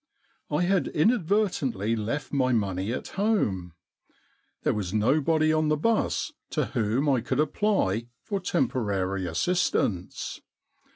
I had inadvertently left my money at home. There was nobody on the bus to whom I could apply for temporary assistance.